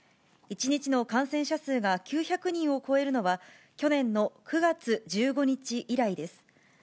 １日の感染者数が９００人を超えるのは、去年の９月１５日以来です。